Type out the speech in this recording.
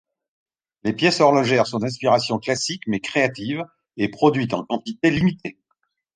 Les pièces horlogères sont d'inspiration classique mais créatives et produites en quantités limitées.